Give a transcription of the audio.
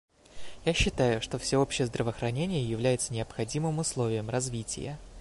Я считаю, что всеобщее здравоохранение является необходимым условием развития.